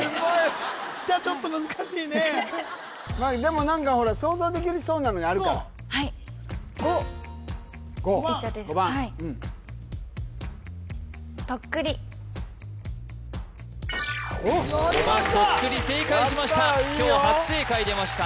じゃちょっと難しいねでも何か想像できそうなのがあるからはい５いっちゃっていいですか５番とっくり正解しました今日初正解出ました